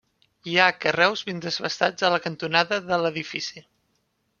Hi ha carreus ben desbastats a la cantonada de l'edifici.